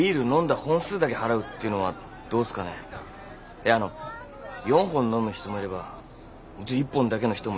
いやあの４本飲む人もいれば１本だけの人もいて。